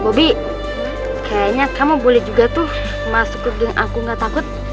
mobi kayaknya kamu boleh juga tuh masuk ke geng aku nggak takut